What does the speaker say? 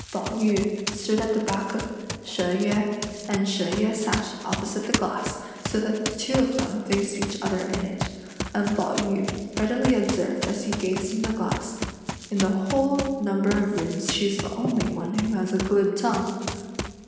Pao yü stood at the back of She Yüeh, and She Yüeh sat opposite the glass, so that the two of them faced each other in it, and Pao yü readily observed as he gazed in the glass, "In the whole number of rooms she's the only one who has a glib tongue!"